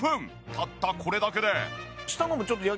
たったこれだけで。